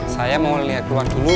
saya mau lihat dulu